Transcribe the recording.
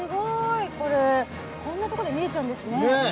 こんなところまで見えちゃうんですね。